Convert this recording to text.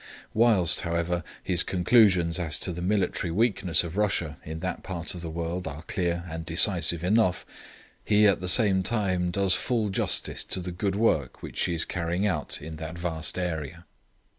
Whilst, however, his conclusions as to the military weakness of Russia in that part of the world are clear and decisive enough, he at the same time does full justice to the good work which she is carrying out in that vast area.